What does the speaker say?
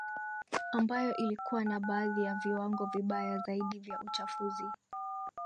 ambayo ilikuwa na baadhi ya viwango vibaya zaidi vya uchafuzi